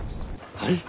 はい。